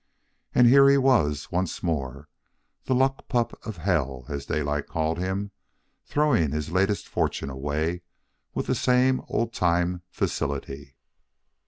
And here he was once more, the "luck pup of hell," as Daylight called him, throwing his latest fortune away with the same old time facility.